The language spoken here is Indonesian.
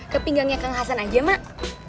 ke pinggangnya kang hasan aja mak